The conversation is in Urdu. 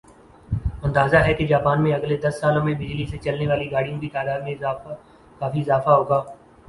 اندازہ ھے کہ جاپان میں اگلے دس سالوں میں بجلی سے چلنے والی گاڑیوں کی تعداد میں کافی اضافہ ہو گا